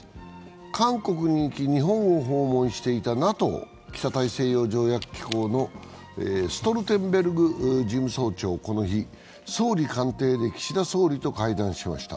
韓国に行き、日本を訪問していたＮＡＴＯ＝北大西洋条約機構のストルテンベルグ事務総長、この日、総理官邸で岸田総理と会談しました。